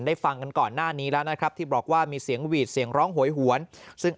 ฟังกันก่อนหน้านี้แล้วนะครับที่บอกว่ามีเสียงหวีดเสียงร้องโหยหวนซึ่ง